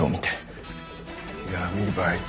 闇バイト！？